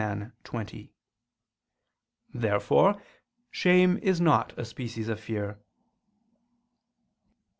] says. Therefore shame is not a species of fear.